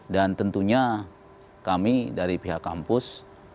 dan tentunya kami dari pihak kampus